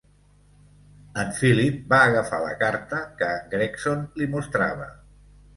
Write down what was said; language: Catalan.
En Philip va agafar la carta que en Gregson li mostrava.